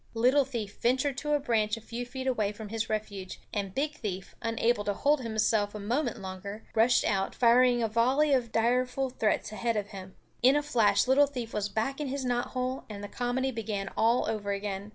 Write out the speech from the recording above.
Little Thief ventured to a branch a few feet away from his refuge, and Big Thief, unable to hold himself a moment longer, rushed out, firing a volley of direful threats ahead of him. In a flash Little Thief was back in his knot hole and the comedy began all over again.